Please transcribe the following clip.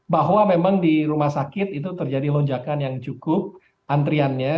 bahwa memang di rumah sakit itu terjadi lonjakan yang cukup antriannya